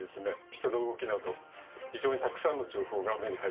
人の動きなど非常にたくさんの情報が目に入ってきます。